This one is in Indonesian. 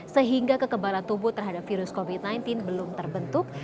sehingga kekebalan tubuh terhadap virus covid sembilan belas belum terbentuk